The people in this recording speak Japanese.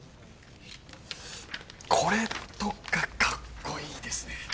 これとかカッコいいですね